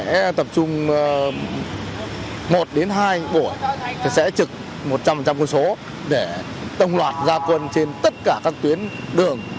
sẽ tập trung một đến hai buổi sẽ trực một trăm linh quân số để tông loạt gia quân trên tất cả các tuyến đường